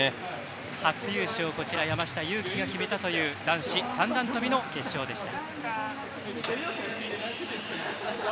初優勝、山下祐樹が決めた男子三段跳びの決勝でした。